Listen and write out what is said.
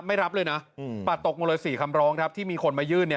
ไม่รับเลยนะปัดตกหมดเลย๔คำร้องครับที่มีคนมายื่น